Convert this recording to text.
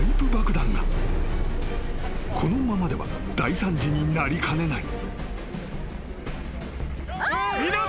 ［このままでは大惨事になりかねない］